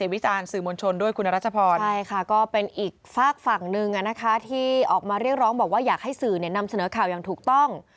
พระร้องบอกว่าอยากให้สื่อเนี่ยนำเสนอข่าวอย่างถูกต้อง